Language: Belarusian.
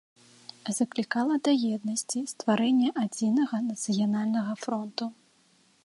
Заклікала да еднасці, стварэння адзінага нацыянальнага фронту.